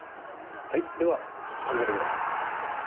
はいでは始めてください。